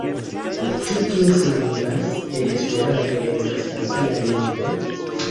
Ĉu tio signifas, ke Esperanto ne estas facila lingvo?